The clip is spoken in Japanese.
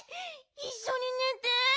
いっしょにねて。